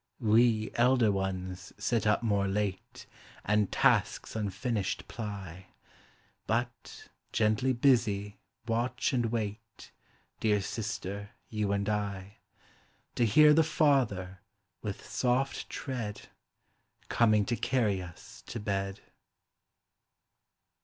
We, elder ones, sit up more late, And tasks unfinished ply, But, gently busy, watch and wait Dear sister, you and I, To hear the Father, with soft tread, Coming to carry us to bed.